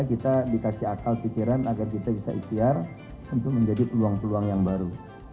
kita dikasih akal pikiran agar kita bisa ikhtiar untuk menjadi peluang peluang yang baru